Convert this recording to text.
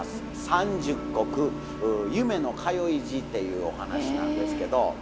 「三十石夢の通い路」っていうお噺なんですけど。